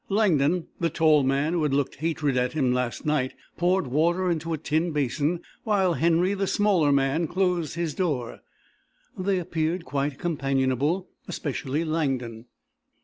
Langdon, the tall man who had looked hatred at him last night, poured water into a tin basin while Henry, the smaller man, closed his door. They appeared quite companionable, especially Langdon.